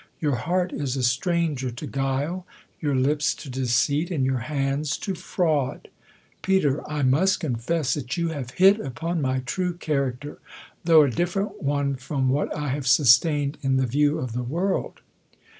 Your heart is a stranger to guiley your lips, to deceit, and your hands, to fraud. Pet, I must confess that you have hit upon my true character; though a different one, from what 1 have sustained in the view of the world.